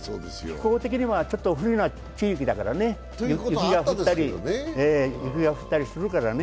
気候的にもちょっと不利な地域だからね、雪が降ったりするからね。